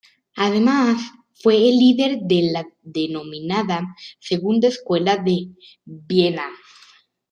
Además, fue el líder de la denominada Segunda Escuela de Viena.